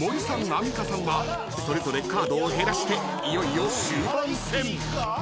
アンミカさんはそれぞれカードを減らしていよいよ終盤戦］